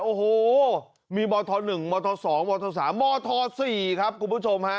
โอ้โหมีมธ๑มธ๒มธ๓มท๔ครับคุณผู้ชมฮะ